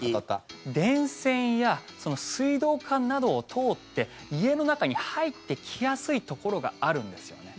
電線や水道管などを通って家の中に入ってきやすいところがあるんですよね。